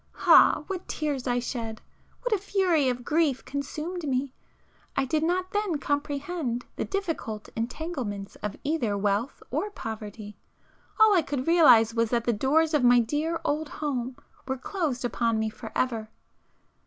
Ah, what tears I shed!—what a fury of grief consumed me!—I did not then comprehend the difficult entanglements of either wealth or poverty;—all I could realize was that the doors of my dear old home were closed upon me for ever.